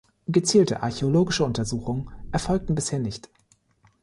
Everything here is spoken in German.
Gezielte archäologische Untersuchungen erfolgten bisher nicht.